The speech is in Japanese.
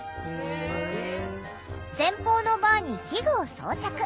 前方のバーに器具を装着。